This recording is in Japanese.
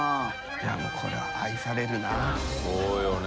いやもうこれは愛されるなそうよね。